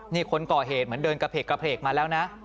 นี่คนก่อเหตุเหมือนเดินกระเพกมาแล้วนะ